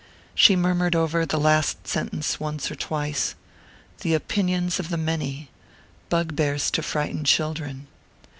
She murmured over the last sentence once or twice: _The opinions of the many bugbears to frighten children....